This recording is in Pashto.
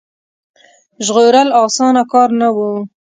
ژغورل اسانه کار نه وو.